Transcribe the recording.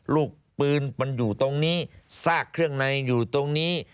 แล้วก็มีแผนที่เขตรักษาพันธุ์สัตว์ป่า